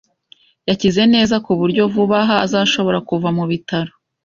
Yakize neza, ku buryo vuba aha azashobora kuva mu bitaro